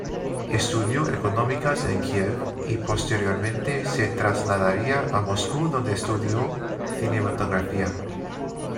Estudió económicas en Kiev y posteriormente se trasladaría a Moscú donde estudió cinematografía.